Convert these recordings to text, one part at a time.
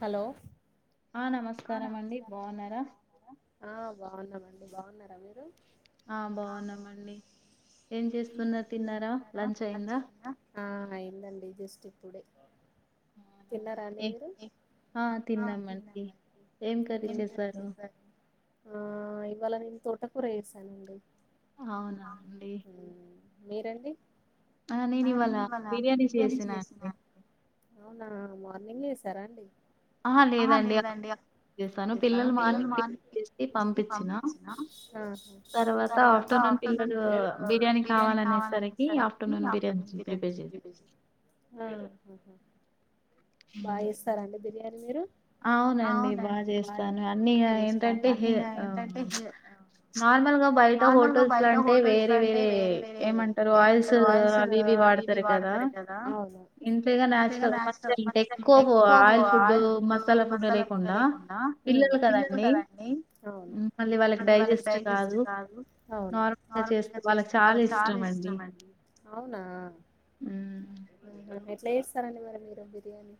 hello ఆ నమస్కారం అండి బాగున్నారా ఆ బాగున్నామండి బాగున్నారా మీరు ఆ అయిందండి జస్ట్ ఇప్ ప్పుడే తిన్నారా అండి మీరు ఆ తిన్నాం అం ఏం కర్రి చేశారు ఆ ఇవాళ నేను తోటకూర చేసానండి ఉమ్ మీరండి ఆ నేను ఇవాళ బిర్యానీ చేసిన అండి అవునా మార్నింగ్ చేసారా అండి ఆహా లేదండి ఆహా ఆ హా హా బా చేస్తారండి యరు మీరు అవునండి బాగ చేస్తాను అన్ని ఏంటంటే నార్మల్ గా బయట హోటల్స్ లో అంటే వేరే వేరే ఏమంటారు ఆయిల్స్ అవి ఇవి వాడతారు కదా ఇంతగాచురల్ కొంచం ఎక్కువ ఆయిల్ ఫుడ్ మస్ కలపుడు ఉమ్ అవును అవును అవునా ఎట్ల చేస్తారండి మరి మీరు బిర్యానీ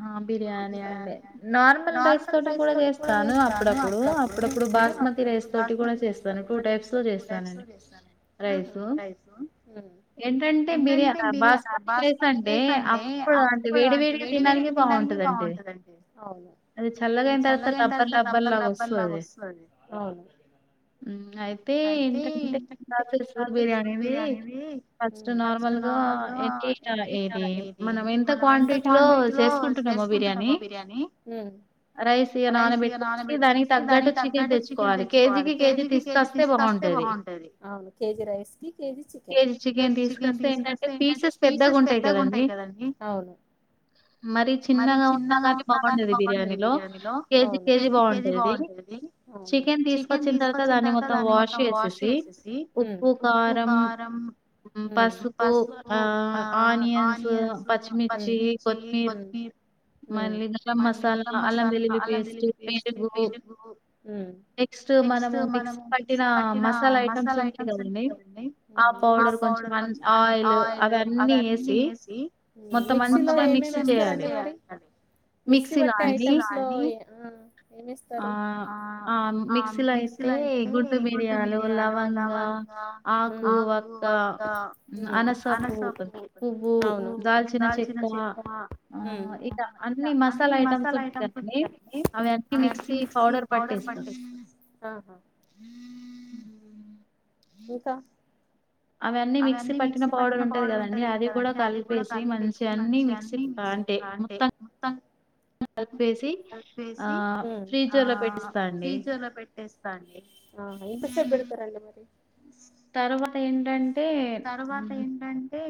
హా బిర్యాని అండి నార్ ఉమ్ ఉంహు ఉమ్ తినడానికి బాగుంటదండి అవును అది చల్లగా అయిన తర్వాత లబ్బర్ లబ్బర్ లాగా వస్తుది ఉమ్ అయితే ఏంటంటే చిస్తూర్ బిర్యానీది ఫస్ట్ నార్మల్గా ఏంటి ఇది మనం ఎంత క్వాంటిటీ లో చేసుకుంటున్నామో బిర్యానీ రైస్ ఇ నాన్ వెజ్ దానికి తగ్గట్టు చికెన్ తెచ్చుకోవాలి కేజీ క కేజీ తీసుకొస్తే బాగుంటదివు కేజీ రైస్ క కేజ చె కేజీ చికెన్ తీసుకొస్తే ఏంటంటే పీసెస్ పెద్దగా ఉంటాయి కదండి అవును మరి చిన్నగా ఉన్నా ని బాగుండేది మీ బిజ కేజ బాగు చెన్ తీసుకొచ్చిన తర్వా దాన్ని మొంష్ చే ఉప్పు కారంసుపు ఆయ పత్బరు మనలి మళ్ళీ గరం మసాలా అల్లం వెల్లుల్లి పేస్ట్ పెటగు నెక్స్ట్ మన మిక్ పట్టిన మసాలా ఐటమ్స్ ఉంటాయి కదండి పౌడర్ కొంచం ఆయిల్ అవ అన్నీ వేసి మి ఏం ఏం అస్తరండి మరి మిక్సీ బట్టి ఏమిస్తారు ఆ మిక్సీలో అయితే గుడ్డు బిర్యాలు లవంగా ఆకు వక్క అనసకు దాల్చ కా ఆ ఇక అన్ని మ అనీ మసాలా ఐమ్స్ ఉ అ మిక్స్ పౌడర్ పట్టేస్త ఇంకా అవ అన్నీ మిక్సీ పట్టిన పౌడర్ ఉంటుంది కదండి అది కూడా కలిపేసి మంచిగా అన్ని మిక్సీ అంటే మొత్తం కలిపేసి ఆ ఫ్రీజ్లో పెట్స్తా అండి ఇస్తాండి ఆహా ఇంతసేపు బెడ్తరండి మరి తరువాత ఏంటంటే తరువాత ఏంటంటే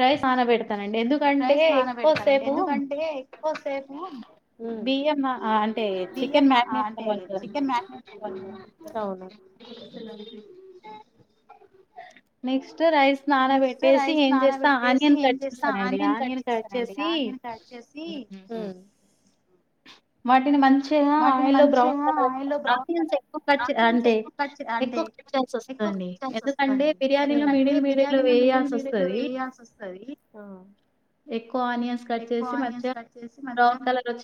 రైస్న పెడు ండి ఎందుకంటే ఎక్కువసేపు బియ్యం అంటే చికెన్ మ్యారినేట్ కావాలి సార్ నెక్స్ట్ రైస్ నానా పెట్టే నానాన పెట్టేసి ఏం చేస్తా ఆనియన్ కట్ చేస్తారంండి ఆనియన్ కట్ చేసి వాటిని మంచి మంచిగా ఆయిల్ లో బ్రౌన్ కలర్ ఆనియన్స్ ఎక్కువ కట్ చేయాల్సి వస్తది అండి ఎందుకంటే మిడిల్ మిడిల్ లో వేయాల్సి వస్తది ఎక్కువ ఆనియన్స్ ట్ చే మ బన్ కలర్ వచ్చ ర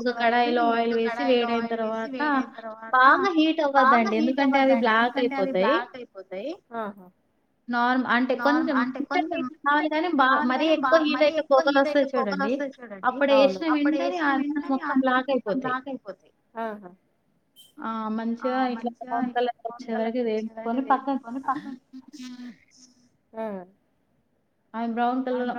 ఒక కడై లో ఆయిల్ వే వే తర్వాత బాగా హీట్ అవదు అండి ఎందుకంటే అ బ్లాక్ అయిపోతాయిార్ అంటే కొాలా మ ఎ వస్తాయి చూడండి అప్పుడు వేసినా కాని అ మొత్తం బ్లాక్ అయిపోతాయి ఆ మంచిగా ఇట్లా బ్రౌన్ కలర్ వచ్చే వరకి వేంచకొని పక్క ఆ అవి బ్రౌన్ కలర్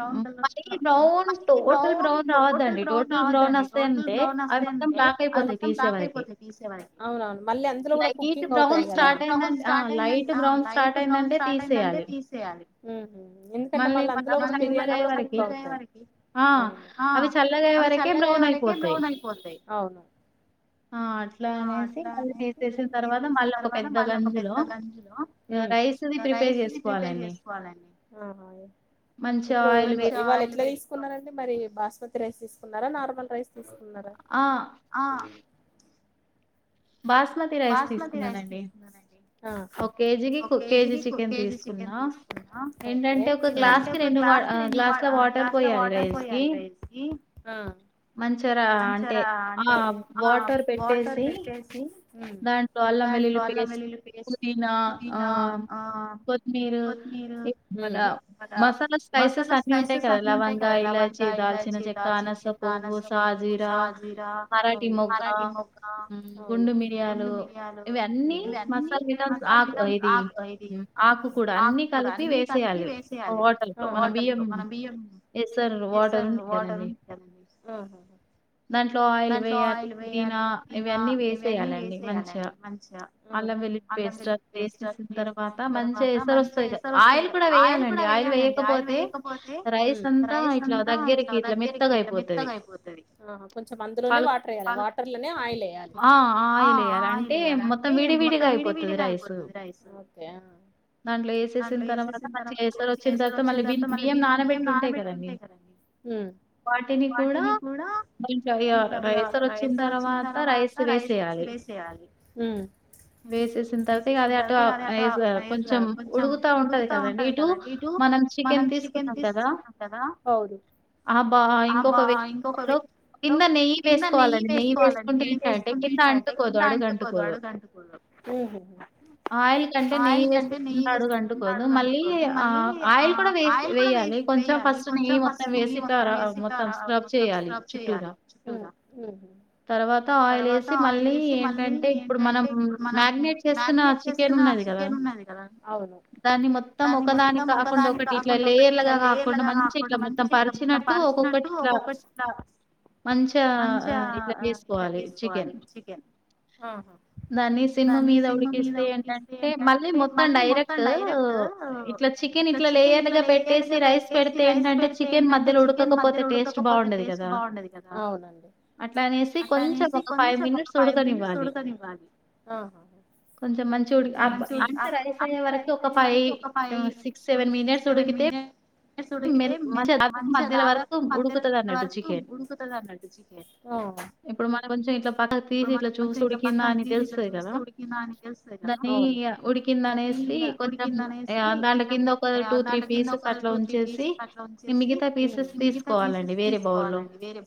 మరి బ్రౌన్ టోటల్ బ్రౌన్ రావద్దండి టోటల్ బ్రౌన్ వస్తాయింటే అవి మొత్తం బ్లాక్ అయిపోతాయి తీసేవరకి అవునవును మళ్ళీ అందులో కూడా కుకింగ్ అవుతాయి కదా బ్రౌన్ స్టార్ట్ అయిందంటే లైట్ బ్రౌన్ స్టార్ట్ అయిందంటే తీసేయాలి ఉ మళ్ళీ మ అవి చల్లగాయ వరకే బ్రౌన్ అయిపోతాయి అట్లాేసిన తర్వాత మళ్ళ ఒక పెద్ద గంజులో రైస్ ప్రిపేర్ చేసుకోవాలండి ఆ ఇప్పుడు వాళ్ళు ఎట్లా తీసుకున్నారండి మరి బాస్ మతి రైస్ తీస్తోకున్నారా రైస్ తీస్తోకున్నారా హ బాస్మతి రైస్ తీసుకుందానండి ఒక కేజీ క కేజీ చికెన్ తీసుకుందాఓ ఏంటంటే ఒక గ్లాస్ క రెండు గ్లాస్ల వాటర్ పోయాలి రైస్ క మంచిార అంటే ఆ వాటర్ పెట్టేసి దాంట్లో అల్లం వెల్లులి పేస్ట్ పుదీనా ఆ కొత్మీర్ హమ్ దా మసాలా స్పైసెస్ అన్ని ఉంటాయి కదా లవంగా, ఇలాచి, దాల్చిన చెక్క, అనసపువ్వు, సాాజీరా, అవును మరాఠీ మోగ్గా హమ్ ఆవును గుండు మిరియాలు ఇవి అన్నీ మసాలా కిలా ఆక్ ఇది ఆకు కూడా అన్ని కలిపి వేసేయాలి వాటర్ లో మన బియ్యం ఎసర్ వాటర్ ఉంటది గద ట్లో ఆయిల్ వేయాలి పుదీనా ఇవన్నీ వేసేయాలండి యాలండి మంచిగ అల్లం వెల్లుల్లి పేస్ట్ ఎసిన తర్వాత మంచిగ ఏసరోస్తది గ ఆయిల్ కూడా వేయాలండి ఆయిల్ వేయకపోతే రైస్ అంతా ఇట్లా దగ్గరికి ఇట్లా మెత్తగా అయిపోతది కొంచెం అందులోనే వాటర్ ఎయాలి వాటర్ లోనే ఆయిల్ ఎయాలి ఆ అ ఆయిల్ వేయాలి అంటే మొత్తం విడివిడిగా అయిపోతది రైస్ ఒకే దాంట్లో ఎసేసిన తర్వాత మంచిగ ఎసర్ ఒచ్చిన తర్వాత మళ్ళీ బి బియ్యం నానబెట్టి ఉంటాయి కదండి వాటిని కూడా క ఇగ ర ఎసర్ ఒచ్చిన తర్వాత రైస్ వేసేయాలి వేసేసిన తర్వాత ఇక అది అటు అ ఏస్ కొంచెం ఉడుగుతా ఉంటది కదండి ఇటు మనం చికెన్ తీసుకున్నాం కదా ఆ బా ఇంకొక వే లో కింద నెయ్యి వేసుకోవాలండి నెయ్యి వేసుకుంటే ఏంటంటే కింద అంటు కింద అంటుకోదు అడుగ అంటుకోదు ఉహు ఆయిల్ కంటే నెయ్యి వేసి కింద అడుగ అంటుకోదు మళ్ళీ ఆ ఆయిల్ కూడా వే వేయాలి కొంచెం ఫస్ట్ నెయ్యి మొత్తం వేసి ఆ ఆ మొత్తం స్క్రబ్ చేయాలి చుట్టురా హమ్ తర్వాత ఆయిల్ ఏసి మళ్ళీ ఏంటంటే ఇప్పుడు మనం మాగ్నెట్ చేస్కున్న చికెన్ ఉన్నది కదా అవును దాన్ని మొత్తం ఒకదాని కాకుండా ఒకటి ఇట్లా లేయర్ గా కాకుండా మంచి ఇట్లా మొత్తం పరిచినట్టు ఒక్కొక్కటిలా మంచిగా ఇకా చేసుకోవాలి చికెన్ హ దాన్ని సిమ్ము మీద ఉడికిస్తే ఏంటంటే మళ్ళీ మొత్తం డైరెక్ట్ ఇట్లా చికెన్ ఇట్లా లేయర్గా పెట్టేసి రైస్ పెడితే ఏంటంటే చికెన్ మధ్యలో ఉడకకపోతే టేస్ట్ బాగుండది కదా అట్లానేేసి కొంచం ఒక ఫైవ్ మినిట్స్ ఫైవ్ మినిట్స్ ఉడకనివ్వాలి అహా కొంచం మంచి ఉడ్ అప్ అప్ అంటే రైస్ అయే వరకు ఒక five, six, seven minutes ఉడికితే మె మంచి దాదాపు మధ్య వరకు ఉడు ఇలా అన్నట్టు చికెన్ ఆ ఇప్పుడు మనం కొంచం ఇట్లా పక్కకు తీసి ఇట్లా చూసి ఉడికిందా అని తెలుస్తది కదా అవును అది ఉడికింది అనేసి కొంచెం ఆ దాని కింద ఒక టూ, త్రీ పీసెస్ అట్లా ఉంచేసి మిగతా పీసెస్ తీసుకోవాలండి వేరే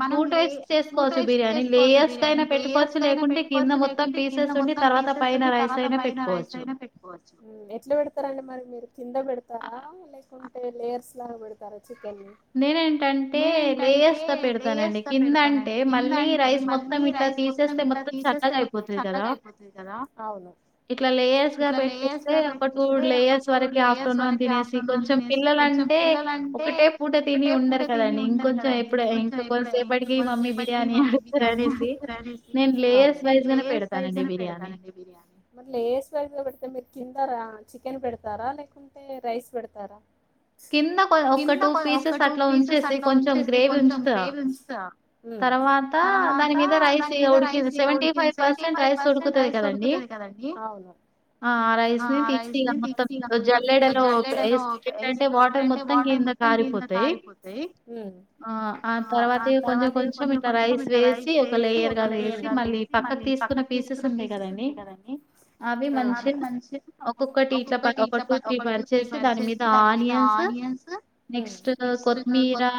మనం లే టూ టైప్స్ చేసుకోవచ్చు బిర్యానీ లేయర్స్ కైన పెట్టుకోవచ్చు లేకుంటే కింద మొత్తం పీసెస్ ఉండి తర్వాత పైన రైస్ అయినా పెట్టుకోవచ్చు హమ్ ఎట్లా పెడ్తరండి మరి మీరు కింద పెడతారా లేకుంటే లేయర్స్ లాగా పెడతారా చి నేనెంటంటే లేయర్స్ గా పెడతానండి కిందంటే మళ్ళీ రైస్ మొత్తం ఇట్లా తీసేస్తే మొత్తం చల్లగా అయిపోతది కదా ఇట్లా లేయర్స్ గా పెట్టేస్తే ఒక టూ లేయర్స్ వరకు ఆఫ్టర్నూన్ తినేసి కొంచెం పిల్లలంటే ఒకటే ఒకటే పూట తిని ఉండరు కదండి ఇంకొంచెం ఎప్పుడు ఇంక కొసేపటికి మమ్మీ బిర్యానీ అడుతరనేసి నేను లేయర్స్ వైజ్గానే పెడతానండి బిర్యానీ లేయర్ మరి లేయార్స్ వైజ్గా పెడ్తే మీరు కింద రా చికెన్ పెడతారా లేకుంటే రైస్ పెడతారా కింద క ఒక్క టూ ఒక టూ పీసెస్ అట్లా ఉంచేసి కొంచెం గ్రేవీ ఉంచుత త మ్ తర్వాత దాని మీద రైస్ ఇగ ఉడికింది సెవెంటీ ఫైవ్ పర్సెంట్ రైస్ ఉడుకుతుంది కదండి అవును అ రైస్ ని మొత్తం జల్లెడలో వేసి ఏంటంటే వాటర్ మొ మొత్తం కింద కారిపోతాయి ఉ ఆ ఆ తర్వాత కొంచెం కొంచెం ఇ రైస్ వేసి ఒక లేయర్ గా వేసి మళ్ళీ పక్కకు తీసుకున్న పీసెస్ ఉన్నాయి కదండి అది మంచిగా ఒక్కొక్క టీచ ప ఒక టూ టీ పరిచేసి దాని మీద ఆనియన్స్ నెక్స్ట్ కొత్తిమీరా,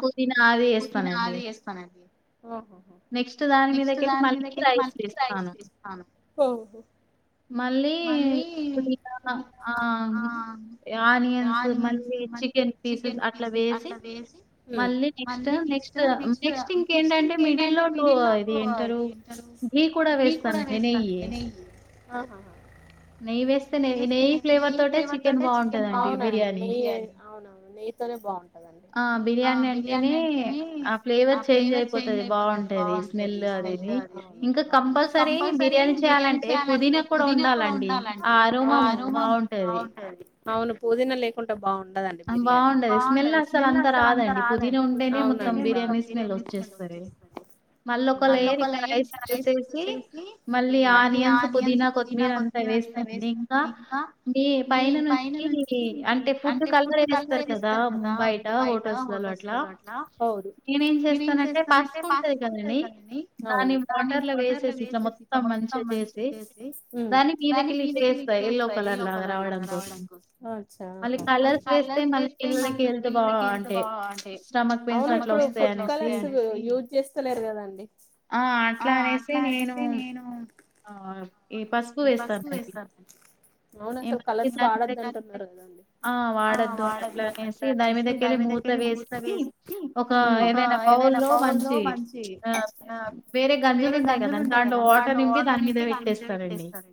పుదీనా అది ఎస్ పుదీనా అది వేస్తానండి ది [unintelligible] నెక్స్ట్ దాని మీద కెళ్ళి మళ్ళీ రైస్ వేస్తాను ఓహో మళ్ళీ పుదీనా ఆ ఆనియన్స్ మళ్ళీ చి చికెన్ పీసెస్ అట్లా వేసి మళ్ళీ నెక్స్ట్ నెక్స్ట్ నెక్స్ట్ ఇంకేంటంటే మిడిల్ లో టు ఇది ఏంటారు గీ కూడా వేస్తాను నెయ్యి ఆహా నెయ్యి వేస్తనె నెయ్యి ఫ్లేవర్ తోటి చికెన్ బాగుంటది అండీ బిర్యానీ అవునవును నెయ్యితోనే బాం ఆ బిర్యానీ అంటేనే ఆ ఫ్లేవర్ చేంజ్ అయిపోతుంది బాగుంటుంది స్మెల్ అదిది ఇంకా కంపల్సరీ బిర్యానీ చేయాలంటే పుదీనా కూడా ఉండాలండి ఆ అరోమా బాగుంటది అవును పూదీనా లేకుండా బాగున్ టదండి బిర్యానీ ఆ బాగుండదు స్మెల్ అసలు అంత రాదండి పుదీనా మొత్తం బిర్యానీ స్మెల్ వచ్చేస్తది మళ్ళ ఒక లేయర్ ఇ రైస్ పోసేసి మళ్ళీ ఆనియన్స్, పుదీనా, కొత్తిమీర అంతా వేస్త ఇంకా మీ పైన నుంచి అంటే ఫుడ్ కలర్ ఏస్తరు కదా బయట హోటల్స్ లలో అట్ల నేనేం చేస్తానంటే పసుపుంటది కదనే దాన్ని వాటర్లో వేసేసి ఇట్ల మొత్తం మంచిగా చేసి దాని మీదకెళ్లి ఇట్ల ఏస్తా యెల్లో కలర్ లాగా రావడం కోసం అది కలర్స్ వేస్తే మన పిల్లలకి హెల్త్ బాగుంటే ప్చ్ స్టమక్ పెయిన్స్ అట్ల వస్తది అనేసి ఎత్తుతలేరు గదండి ఆ అట్లా అనేసి నేను ఆ ఈ పసుపు వేస్తానండి అవును అసలు కలర్స్ వాడద్దు అంటున్నారు ఆ వాడద్దు అట్ల అనేసి దాని మీదకెళ్ళి మూత వేసి ఒక ఏదైనా బౌల్ లో మంచి వేరే గంజులు ఉంటాయి గదా దాంట్లో వాటర్ నింపి దాని మీద పెట్టేస్తారు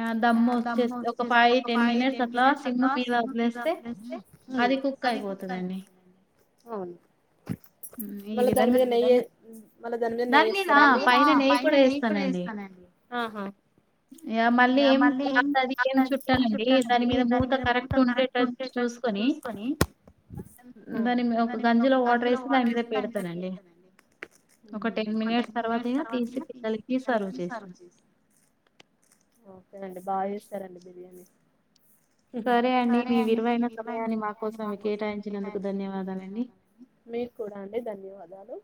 ఆ దమ్ము వచ్చేసి ఒక ఫైవ్ టెన్ మినిట్స్ అట్ల సిమ్ మీద వోదిలేస్తే అది కుక్ అయిపోతుంది దాని మీద ఆ పైన నెయ్యి కూడా వేస్తానండి ఇగ మళ్ళీ ఏం క్లాత్ అది ఏం చుట్టాలండి దాని మీద మూత కరెక్ట్ ఉండేటట్టు చూసుకొని దాని ఒక గంజులో వాటర్ వేసి దాని మీద పెడతానండి ఒక టెన్ మినిట్స్ తర్వాత దాని తీసి కలిపి సర్వ్ చేస్తాను ఓకే అండి బాగా చేసా రండి మీరు [inaudible] సరే అండి మీ విలువైన సమయాన్ని మా కోసం కేటాయించినందుకు ధన్యవాదాలు